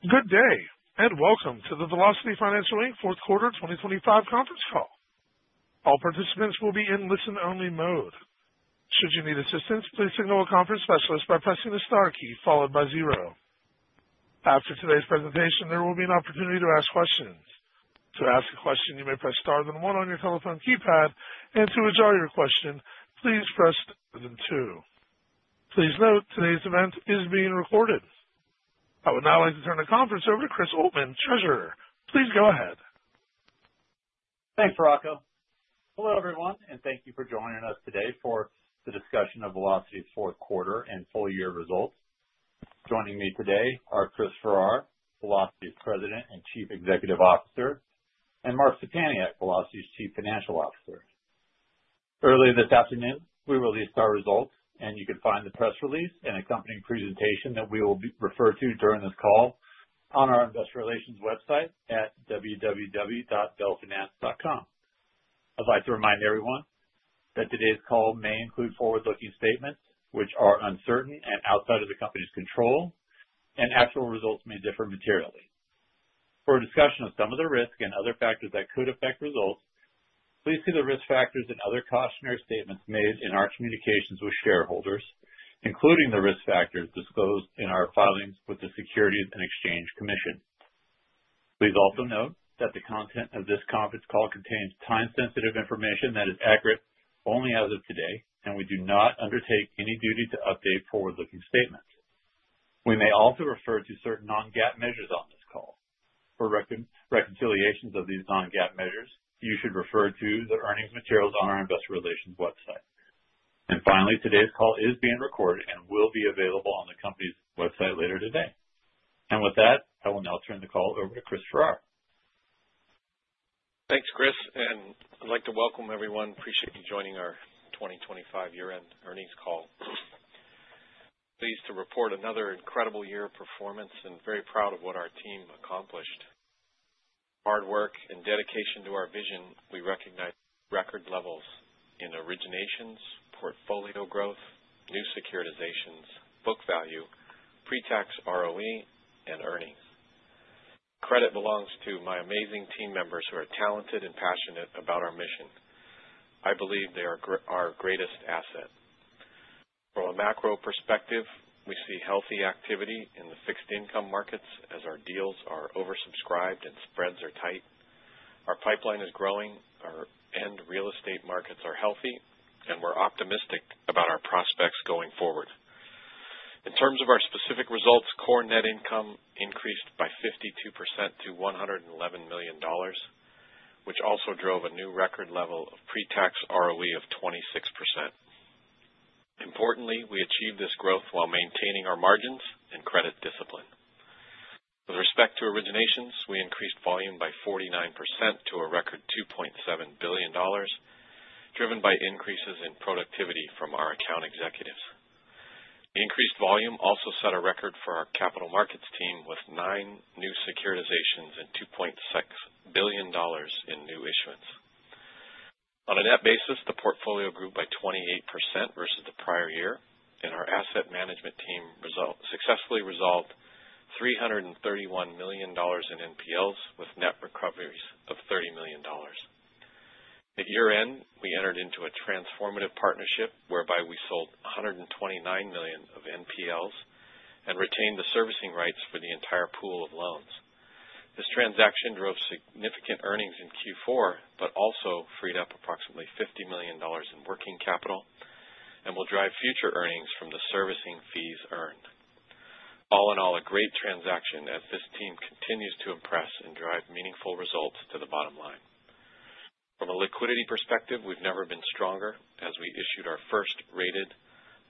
Good day, and welcome to the Velocity Financial, Inc. fourth quarter 2025 conference call. All participants will be in listen-only mode. Should you need assistance, please signal a conference specialist by pressing the star key followed by zero. After today's presentation, there will be an opportunity to ask questions. To ask a question, you may press star then one on your telephone keypad, and to withdraw your question, please press star then two. Please note today's event is being recorded. I would now like to turn the conference over to Chris Oltmann, Treasurer. Please go ahead. Thanks, Rocco. Hello, everyone, and thank you for joining us today for the discussion of Velocity's fourth quarter and full year results. Joining me today are Chris Farrar, Velocity's President and Chief Executive Officer, and Mark Szczepaniak, Velocity's Chief Financial Officer. Early this afternoon, we released our results, and you can find the press release and accompanying presentation that we will refer to during this call on our investor relations website at www.velfinance.com. I'd like to remind everyone that today's call may include forward-looking statements which are uncertain and outside of the company's control, and actual results may differ materially. For a discussion of some of the risks and other factors that could affect results, please see the risk factors and other cautionary statements made in our communications with shareholders, including the risk factors disclosed in our filings with the Securities and Exchange Commission. Please also note that the content of this conference call contains time-sensitive information that is accurate only as of today, and we do not undertake any duty to update forward-looking statements. We may also refer to certain non-GAAP measures on this call. For reconciliations of these non-GAAP measures, you should refer to the earnings materials on our investor relations website. Finally, today's call is being recorded and will be available on the company's website later today. With that, I will now turn the call over to Chris Farrar. Thanks, Chris, and I'd like to welcome everyone. Appreciate you joining our 2025 year-end earnings call. Pleased to report another incredible year of performance and very proud of what our team accomplished. Hard work and dedication to our vision, we recognize record levels in originations, portfolio growth, new securitizations, book value, pre-tax ROE, and earnings. Credit belongs to my amazing team members who are talented and passionate about our mission. I believe they are our greatest asset. From a macro perspective, we see healthy activity in the fixed income markets as our deals are oversubscribed and spreads are tight. Our pipeline is growing. Our end real estate markets are healthy, and we're optimistic about our prospects going forward. In terms of our specific results, core net income increased by 52% to $111 million, which also drove a new record level of pre-tax ROE of 26%. Importantly, we achieved this growth while maintaining our margins and credit discipline. With respect to originations, we increased volume by 49% to a record $2.7 billion, driven by increases in productivity from our account executives. Increased volume also set a record for our capital markets team with nine new securitizations and $2.6 billion in new issuance. On a net basis, the portfolio grew by 28% versus the prior year, and our asset management team successfully resolved $331 million in NPLs with net recoveries of $30 million. At year-end, we entered into a transformative partnership whereby we sold $129 million of NPLs and retained the servicing rights for the entire pool of loans. This transaction drove significant earnings in Q4, but also freed up approximately $50 million in working capital and will drive future earnings from the servicing fees earned. All in all, a great transaction as this team continues to impress and drive meaningful results to the bottom line. From a liquidity perspective, we've never been stronger as we issued our first rated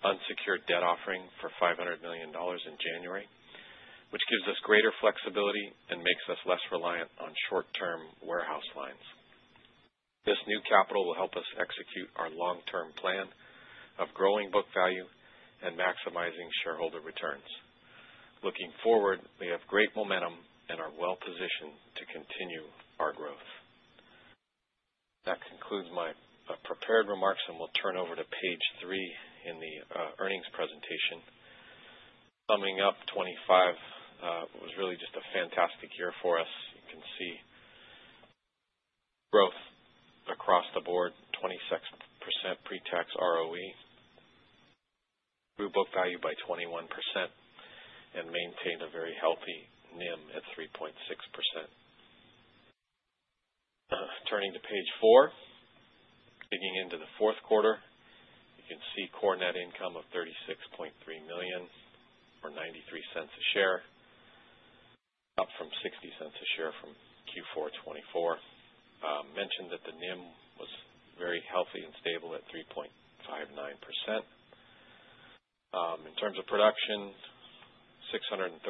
unsecured debt offering for $500 million in January, which gives us greater flexibility and makes us less reliant on short-term warehouse lines. This new capital will help us execute our long-term plan of growing book value and maximizing shareholder returns. Looking forward, we have great momentum and are well-positioned to continue our growth. That concludes my prepared remarks, and we'll turn over to page three in the earnings presentation. Summing up, 2025 was really just a fantastic year for us. You can see growth across the board, 26% pre-tax ROE. Grew book value by 21% and maintained a very healthy NIM at 3.6%. Turning to page four. Digging into the fourth quarter, you can see core net income of $36.3 million or $0.93 a share, up from $0.60 a share from Q4 2024. Mentioned that the NIM was very healthy and stable at 3.59%. In terms of production, $634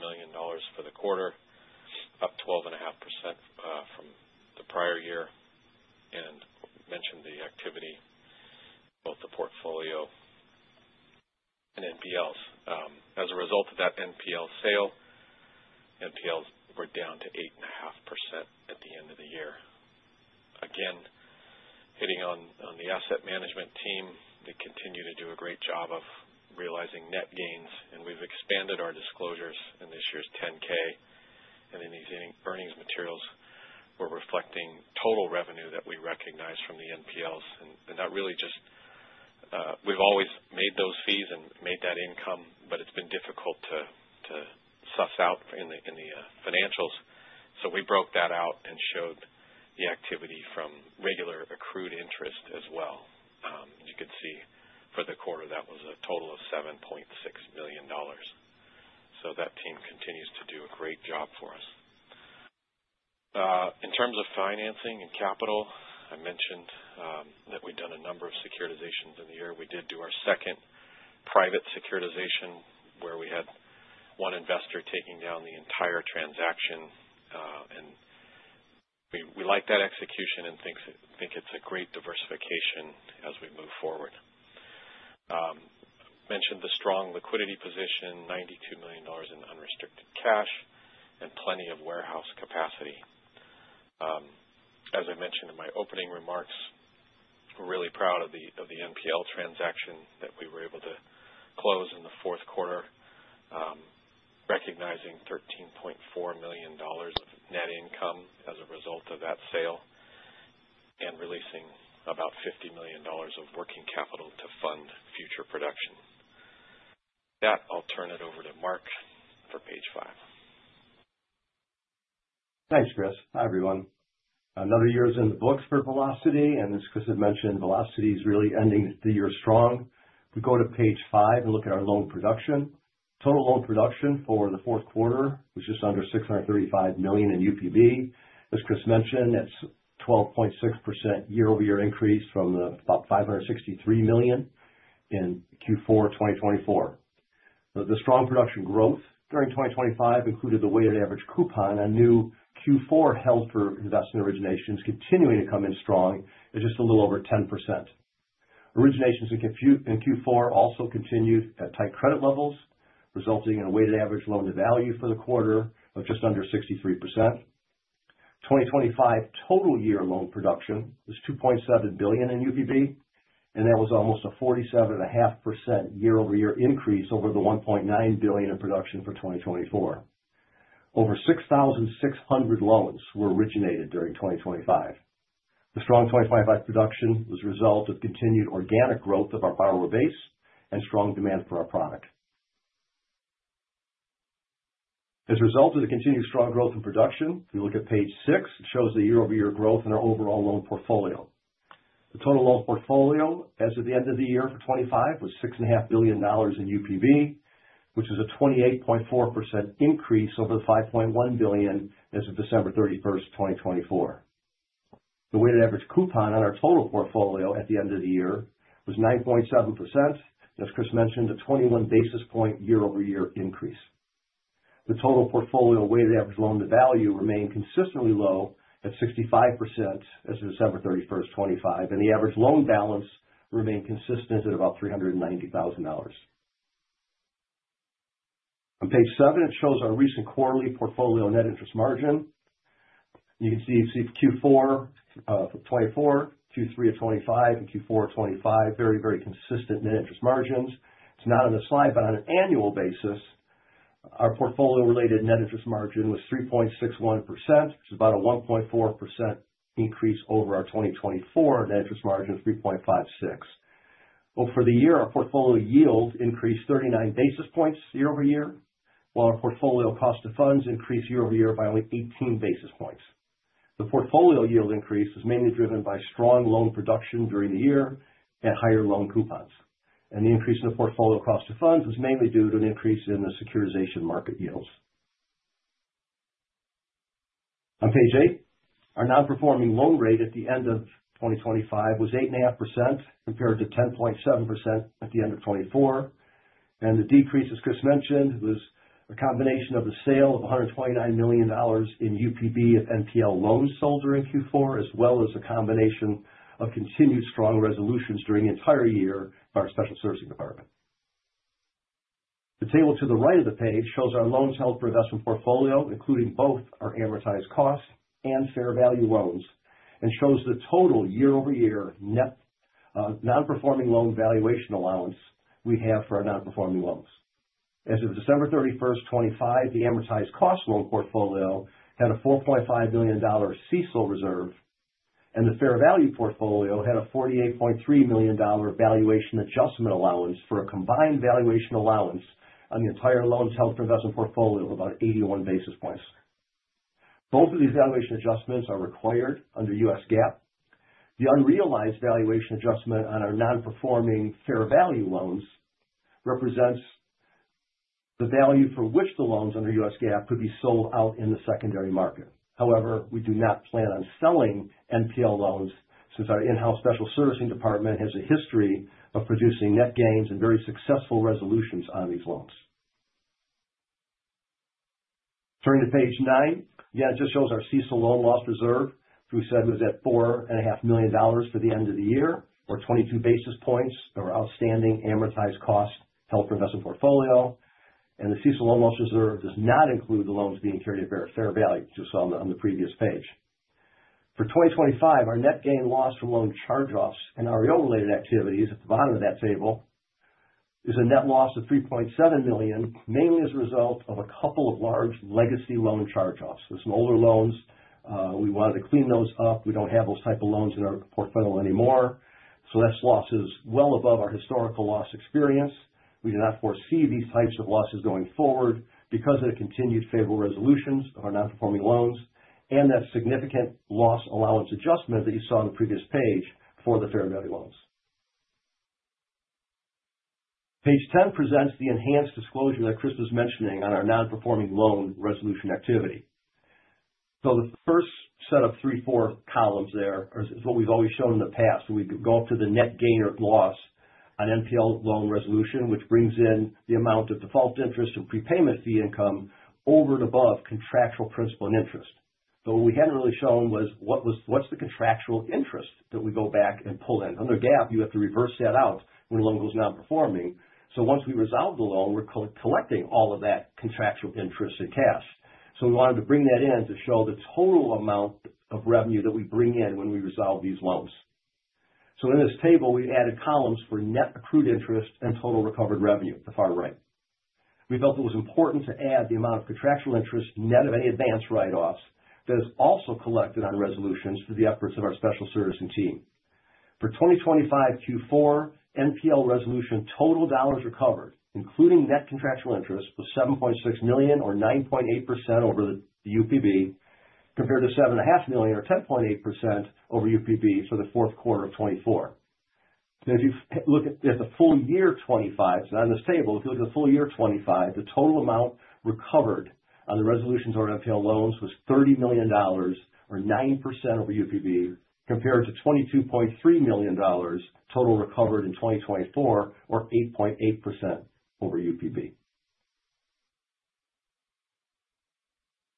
million for the quarter, up 12.5% from the prior year, and mentioned the activity, both the portfolio and NPLs. As a result of that NPL sale, NPLs were down to 8.5% at the end of the year. Again, hitting on the asset management team. They continue to do a great job of realizing net gains, and we've expanded our disclosures in this year's 10-K. In these earnings materials, we're reflecting total revenue that we recognize from the NPLs. That really just, we've always made those fees and made that income, but it's been difficult to suss out in the financials. We broke that out and showed the activity from regular accrued interest as well. You could see for the quarter, that was a total of $7.6 million. That team continues to do a great job for us. In terms of financing and capital, I mentioned that we'd done a number of securitizations in the year. We did do our second private securitization where we had one investor taking down the entire transaction. We like that execution and think it's a great diversification as we move forward. Mentioned the strong liquidity position, $92 million in unrestricted cash and plenty of warehouse capacity. As I mentioned in my opening remarks, we're really proud of the NPL transaction that we were able to close in the fourth quarter, recognizing $13.4 million of net income as a result of that sale and releasing about $50 million of working capital to fund future production. With that, I'll turn it over to Mark for page five. Thanks, Chris. Hi, everyone. Another year's in the books for Velocity, and as Chris had mentioned, Velocity is really ending the year strong. If we go to page five and look at our loan production. Total loan production for the fourth quarter was just under $635 million in UPB. As Chris mentioned, that's 12.6% year-over-year increase from the about $563 million in Q4 2024. The strong production growth during 2025 included the weighted average coupon on new Q4 held for investment originations continuing to come in strong at just a little over 10%. Originations in Q4 also continued at tight credit levels, resulting in a weighted average loan-to-value for the quarter of just under 63%. 2025 total year loan production was $2.7 billion in UPB, and that was almost a 47.5% year-over-year increase over the $1.9 billion in production for 2024. Over 6,600 loans were originated during 2025. The strong 2025 production was a result of continued organic growth of our borrower base and strong demand for our product. As a result of the continued strong growth in production, if you look at page six, it shows the year-over-year growth in our overall loan portfolio. The total loan portfolio as of the end of the year for 2025 was $6.5 billion in UPB, which is a 28.4% increase over the $5.1 billion as of December 31st, 2024. The weighted average coupon on our total portfolio at the end of the year was 9.7%. As Chris mentioned, a 21 basis point year-over-year increase. The total portfolio weighted average loan-to-value remained consistently low at 65% as of December 31st, 2025, and the average loan balance remained consistent at about $390,000. On page seven, it shows our recent quarterly portfolio net interest margin. You can see Q4 for 2024, Q3 of 2025 and Q4 of 2025, very consistent net interest margins. It's not on the slide, but on an annual basis, our portfolio-related net interest margin was 3.61%. It's about a 1.4% increase over our 2024 net interest margin of 3.56%. Over the year, our portfolio yield increased 39 basis points year-over-year, while our portfolio cost of funds increased year-over-year by only 18 basis points. The portfolio yield increase was mainly driven by strong loan production during the year at higher loan coupons. The increase in the portfolio cost of funds was mainly due to an increase in the securitization market yields. On page eight, our non-performing loan rate at the end of 2025 was 8.5% compared to 10.7% at the end of 2024. The decrease, as Chris mentioned, was a combination of the sale of $129 million in UPB of NPL loans sold during Q4, as well as a combination of continued strong resolutions during the entire year by our special servicing department. The table to the right of the page shows our loans held for investment portfolio, including both our amortized costs and fair value loans, and shows the total year-over-year net non-performing loan valuation allowance we have for our non-performing loans. As of December 31st, 2025, the amortized cost loan portfolio had a $4.5 million CECL reserve, and the fair value portfolio had a $48.3 million valuation adjustment allowance for a combined valuation allowance on the entire loans held for investment portfolio of about 81 basis points. Both of these valuation adjustments are required under U.S. GAAP. The unrealized valuation adjustment on our non-performing fair value loans represents the value for which the loans under U.S. GAAP could be sold out in the secondary market. However, we do not plan on selling NPL loans since our in-house special servicing department has a history of producing net gains and very successful resolutions on these loans. Turning to page nine. Yeah, it just shows our CECL loan loss reserve, which we said was at $4.5 million for the end of the year or 22 basis points of our outstanding amortized cost held for investment portfolio. The CECL loan loss reserve does not include the loans being carried at fair value, just on the previous page. For 2025, our net gain/loss from loan charge-offs and REO related activities at the bottom of that table is a net loss of $3.7 million, mainly as a result of a couple of large legacy loan charge-offs. There are some older loans. We wanted to clean those up. We don't have those type of loans in our portfolio anymore. That loss is well above our historical loss experience. We do not foresee these types of losses going forward because of the continued favorable resolutions of our non-performing loans and that significant loss allowance adjustment that you saw on the previous page for the fair value loans. Page 10 presents the enhanced disclosure that Chris was mentioning on our non-performing loan resolution activity. The first set of three, four columns there is what we've always shown in the past. We go up to the net gain or loss on NPL loan resolution, which brings in the amount of default interest or prepayment fee income over and above contractual principal and interest. What we hadn't really shown was what's the contractual interest that we go back and pull in? Under GAAP, you have to reverse that out when a loan goes non-performing. Once we resolve the loan, we're collecting all of that contractual interest in cash. We wanted to bring that in to show the total amount of revenue that we bring in when we resolve these loans. In this table, we've added columns for net accrued interest and total recovered revenue at the far right. We felt it was important to add the amount of contractual interest net of any advanced write-offs that is also collected on resolutions through the efforts of our special servicing team. For 2025 Q4, NPL resolution total dollars recovered, including net contractual interest, was $7.6 million or 9.8% over the UPB, compared to $7.5 million or 10.8% over UPB for the fourth quarter of 2024. Now if you look at the full year 2025, it's not on this table. If you look at the full year 2025, the total amount recovered on the resolutions on NPL loans was $30 million or 9% over UPB, compared to $22.3 million total recovered in 2024 or 8.8% over UPB.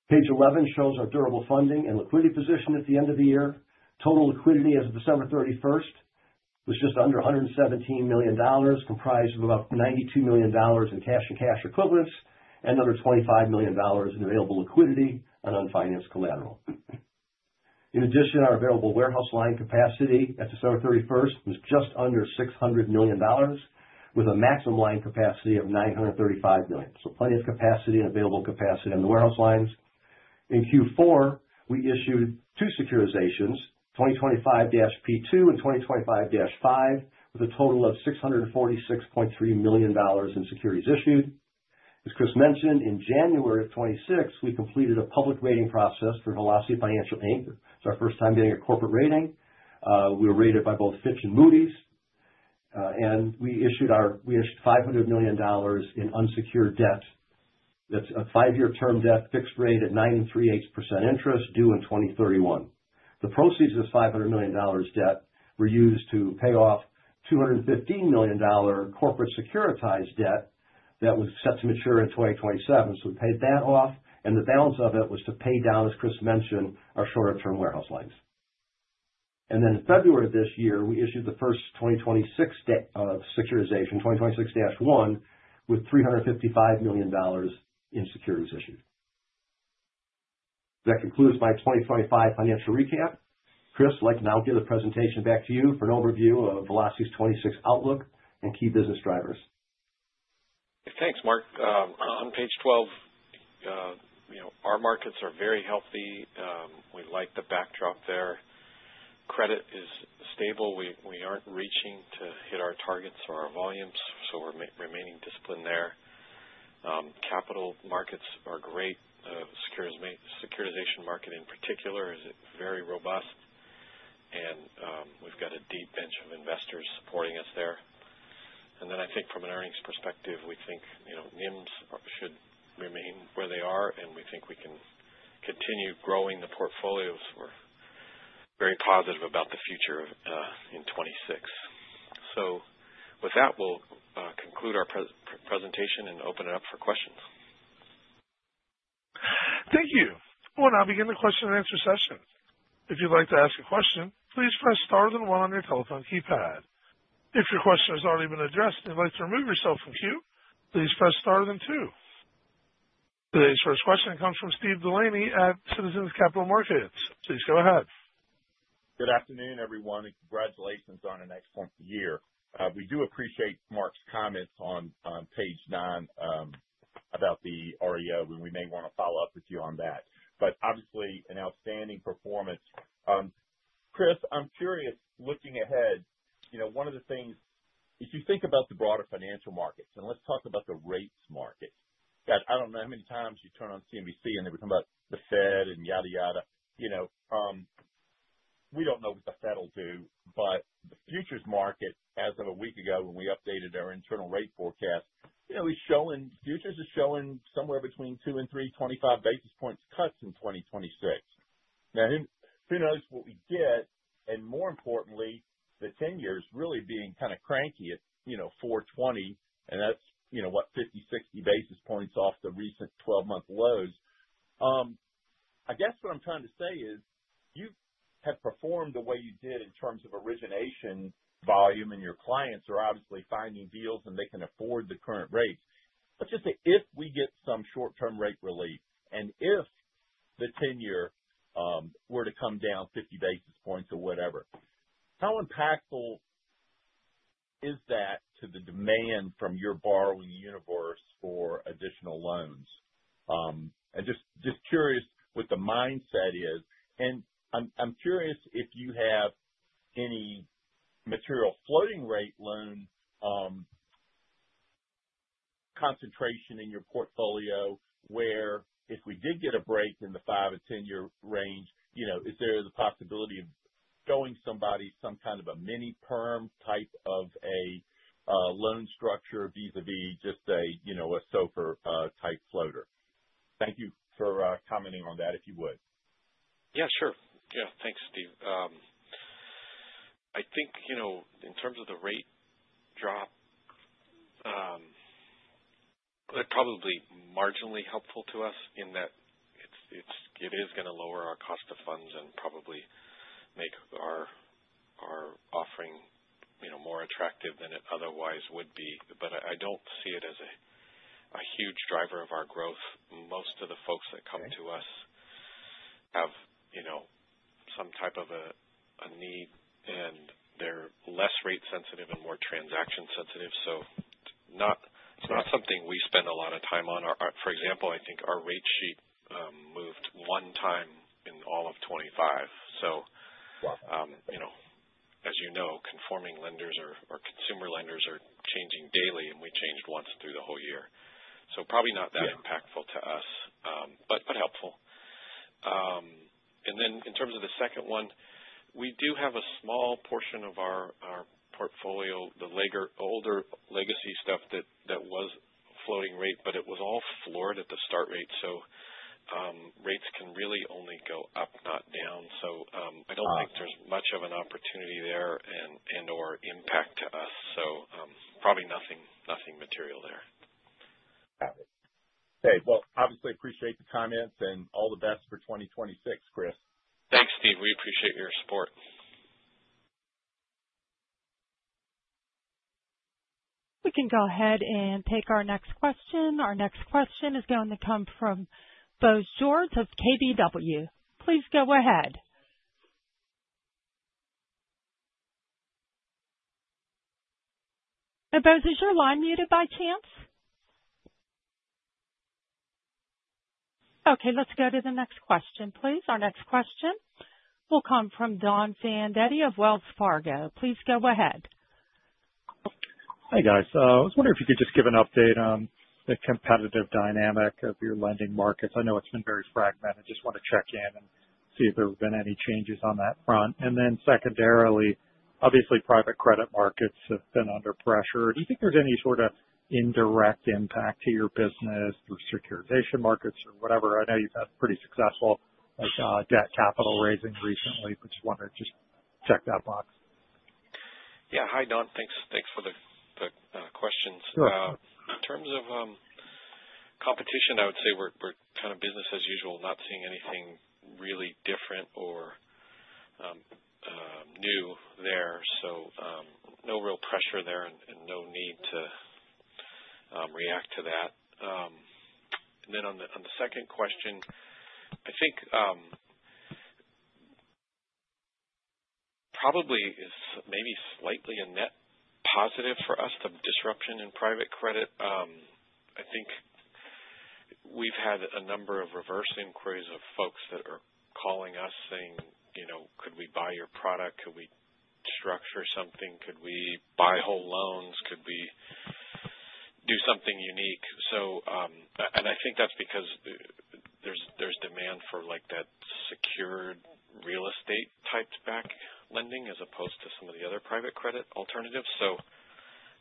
Page 11 shows our durable funding and liquidity position at the end of the year. Total liquidity as of December 31st was just under $117 million, comprised of about $92 million in cash and cash equivalents, and another $25 million in available liquidity on unfinanced collateral. In addition, our available warehouse line capacity at December 31st was just under $600 million with a maximum line capacity of $935 million. Plenty of capacity and available capacity on the warehouse lines. In Q4, we issued two securitizations, 2025-P2 and 2025-5, with a total of $646.3 million in securities issued. As Chris mentioned, in January of 2026, we completed a public rating process for Velocity Financial, Inc. It's our first time getting a corporate rating. We were rated by both Fitch and Moody's. We issued $500 million in unsecured debt. That's a five-year term debt fixed rate at 9.375% interest due in 2031. The proceeds of $500 million debt were used to pay off $215 million corporate securitized debt that was set to mature in 2027. We paid that off, and the balance of it was to pay down, as Chris mentioned, our shorter term warehouse lines. In February of this year, we issued the first 2026 securitization, 2026-1, with $355 million in securities issued. That concludes my 2025 financial recap. Chris, I'd like to now give the presentation back to you for an overview of Velocity's 2026 outlook and key business drivers. Thanks, Mark. On page 12, you know, our markets are very healthy. We like the backdrop there. Credit is stable. We aren't reaching to hit our targets or our volumes, so we're remaining disciplined there. Capital markets are great. Securitization market in particular is very robust. We've got a deep bench of investors supporting us there. I think from an earnings perspective, we think, you know, NIMs should remain where they are, and we think we can continue growing the portfolios. We're very positive about the future in 2026. With that, we'll conclude our presentation and open it up for questions. Thank you. We'll now begin the question and answer session. If you'd like to ask a question, please press star then one on your telephone keypad. If your question has already been addressed and you'd like to remove yourself from queue, please press star then two. Today's first question comes from Steve Delaney at Citizens Capital Markets. Please go ahead. Good afternoon, everyone. Congratulations on an excellent year. We do appreciate Mark's comments on page nine, about the REO, and we may wanna follow up with you on that. Obviously an outstanding performance. Chris, I'm curious, looking ahead, you know, one of the things, if you think about the broader financial markets, and let's talk about the rates market. Guys, I don't know how many times you turn on CNBC and they were talking about the Fed and yada yada. You know, we don't know what the Fed will do, but the futures market, as of a week ago when we updated our internal rate forecast, you know, futures are showing somewhere between 2 basis points and 325 basis points cuts in 2026. Now, who knows what we get, and more importantly, the 10-year really being kind of cranky at, you know, 4.20, and that's, you know, what, 50, 60 basis points off the recent 12-month lows. I guess what I'm trying to say is you have performed the way you did in terms of origination volume, and your clients are obviously finding deals and they can afford the current rates. Let's just say if we get some short-term rate relief, and if the 10-year were to come down 50 basis points or whatever, how impactful is that to the demand from your borrowing universe for additional loans? I'm just curious what the mindset is. I'm curious if you have any material floating rate loan concentration in your portfolio where if we did get a break in the five- and 10-year range, you know, is there the possibility of going somebody some kind of a mini-perm type of a loan structure vis-a-vis just a, you know, a SOFR type floater? Thank you for commenting on that, if you would. Yeah, sure. Yeah. Thanks, Steve. I think, you know, in terms of the rate drop, probably marginally helpful to us in that it is gonna lower our cost of funds and probably make our offering, you know, more attractive than it otherwise would be. I don't see it as a huge driver of our growth. Most of the folks that come to us have, you know, some type of a need, and they're less rate sensitive and more transaction sensitive. It's not something we spend a lot of time on. Our, for example, I think our rate sheet moved one time in all of 2025. Wow. You know, as you know, conforming lenders or consumer lenders are changing daily, and we changed once through the whole year. Probably not that. Yeah. Not impactful to us, but helpful. In terms of the second one, we do have a small portion of our portfolio, the older legacy stuff that was floating rate, but it was all floored at the start rate. Rates can really only go up, not down. I don't think there's much of an opportunity there and/or impact to us. Probably nothing material there. Got it. Okay. Well, obviously appreciate the comments and all the best for 2026, Chris. Thanks, Steve. We appreciate your support. We can go ahead and take our next question. Our next question is going to come from Bose George of KBW. Please go ahead. Bose, is your line muted by chance? Okay, let's go to the next question, please. Our next question will come from Don Fandetti of Wells Fargo. Please go ahead. Hi, guys. I was wondering if you could just give an update on the competitive dynamic of your lending markets. I know it's been very fragmented. Just wanna check in and see if there have been any changes on that front. secondarily, obviously private credit markets have been under pressure. Do you think there's any sorta indirect impact to your business through securitization markets or whatever? I know you've had pretty successful debt capital raising recently, but just wanted to check that box. Yeah. Hi, Don. Thanks. Thanks for the questions. In terms of competition, I would say we're kind of business as usual, not seeing anything really different or new there. No real pressure there and no need to react to that. On the second question, I think probably is maybe slightly a net positive for us, the disruption in private credit. I think we've had a number of reverse inquiries of folks that are calling us saying, you know, "Could we buy your product? Could we structure something? Could we buy whole loans? Could we do something unique?" And I think that's because there's demand for, like, that secured real estate-type-backed lending as opposed to some of the other private credit alternatives.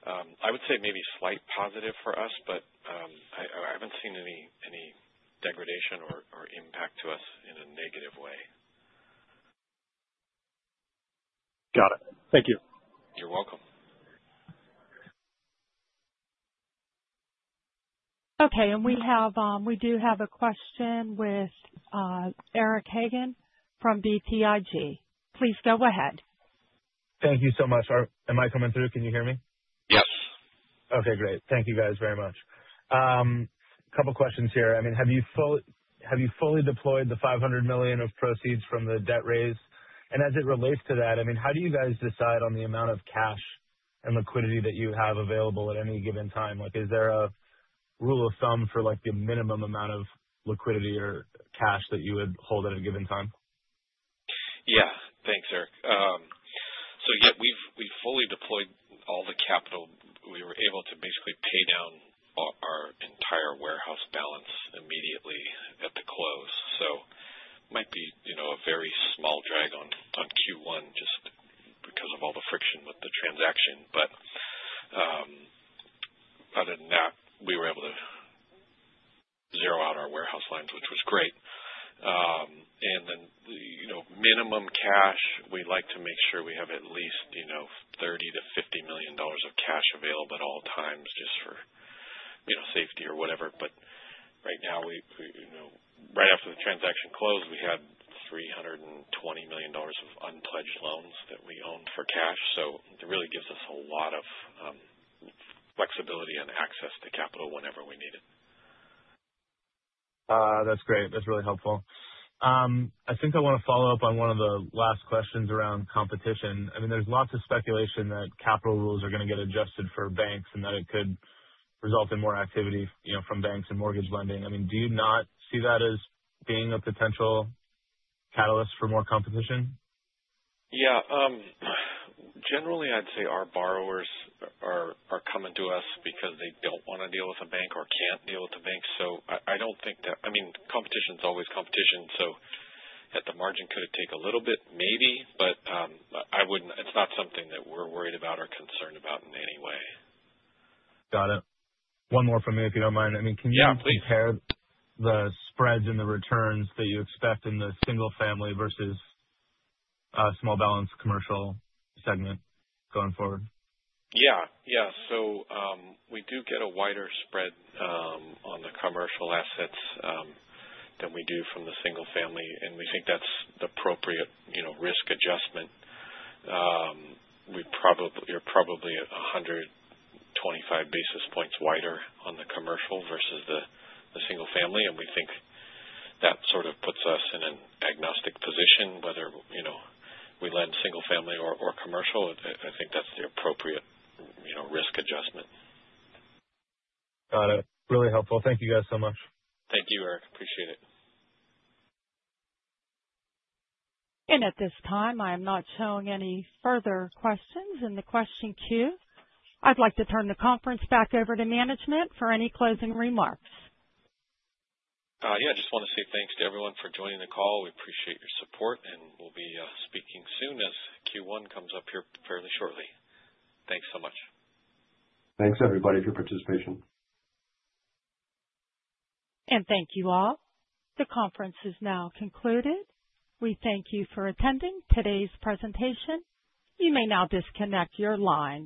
I would say maybe slight positive for us, but I haven't seen any degradation or impact to us in a negative way. Got it. Thank you. You're welcome. Okay. We have a question with Eric Hagen from BTIG. Please go ahead. Thank you so much. Am I coming through? Can you hear me? Yes. Okay, great. Thank you guys very much. Couple questions here. I mean, have you fully deployed the $500 million of proceeds from the debt raise? As it relates to that, I mean, how do you guys decide on the amount of cash and liquidity that you have available at any given time? Like, is there a rule of thumb for, like, the minimum amount of liquidity or cash that you would hold at a given time? Yeah. Thanks, Eric. Yeah, we've fully deployed all the capital. We were able to basically pay down our entire warehouse balance immediately at the close. Might be, you know, a very small drag on Q1 just because of all the friction with the transaction. Other than that, we were able to zero out our warehouse lines, which was great. You know, minimum cash, we like to make sure we have at least, you know, $30 million-$50 million of cash available at all times just for you know, safety or whatever. Right now, you know, right after the transaction closed, we had $320 million of unpledged loans that we own for cash. It really gives us a lot of flexibility and access to capital whenever we need it. That's great. That's really helpful. I think I wanna follow up on one of the last questions around competition. I mean, there's lots of speculation that capital rules are gonna get adjusted for banks and that it could result in more activity, you know, from banks and mortgage lending. I mean, do you not see that as being a potential catalyst for more competition? Yeah. Generally, I'd say our borrowers are coming to us because they don't wanna deal with a bank or can't deal with the bank. I don't think that. I mean, competition's always competition, so at the margin, could it take a little bit? Maybe. It's not something that we're worried about or concerned about in any way. Got it. One more from me, if you don't mind. I mean. Yeah, please. Can you compare the spreads and the returns that you expect in the single-family versus small balance commercial segment going forward? We do get a wider spread on the commercial assets than we do from the single family, and we think that's the appropriate, you know, risk adjustment. We're probably 125 basis points wider on the commercial versus the single family, and we think that sort of puts us in an agnostic position, whether, you know, we lend single family or commercial. I think that's the appropriate, you know, risk adjustment. Got it. Really helpful. Thank you guys so much. Thank you, Eric. Appreciate it. At this time, I am not showing any further questions in the question queue. I'd like to turn the conference back over to management for any closing remarks. Yeah, I just wanna say thanks to everyone for joining the call. We appreciate your support, and we'll be speaking soon as Q1 comes up here fairly shortly. Thanks so much. Thanks everybody for your participation. Thank you all. The conference is now concluded. We thank you for attending today's presentation. You may now disconnect your lines.